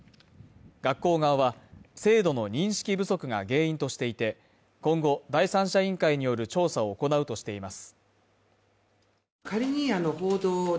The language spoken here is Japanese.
学校側は、制度の認識不足が原因としていて、今後、第三者委員会による調査を行うとしています。